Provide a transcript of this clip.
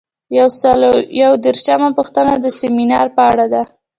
یو سل او یو دیرشمه پوښتنه د سمینار په اړه ده.